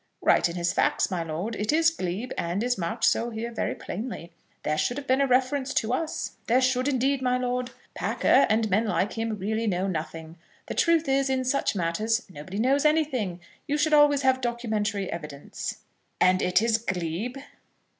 "Right in his facts, my lord. It is glebe, and is marked so here very plainly. There should have been a reference to us, there should, indeed, my lord. Packer, and men like him, really know nothing. The truth is, in such matters nobody knows anything. You should always have documentary evidence." "And it is glebe?"